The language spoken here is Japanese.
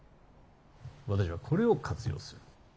私はこれを活用する。